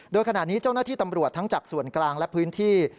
โดยขณะนี้เจ้าหน้าที่ตำรวจทั้งจากส่วนกลางและพื้นที่